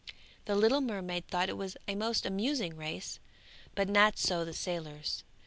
The little mermaid thought it a most amusing race, but not so the sailors.